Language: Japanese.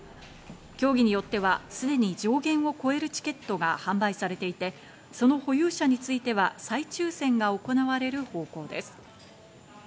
競技によってはすでに上限を超えるチケットが販売されていて、その保有者については再抽選が行われる方向です。